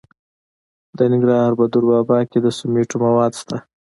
د ننګرهار په دور بابا کې د سمنټو مواد شته.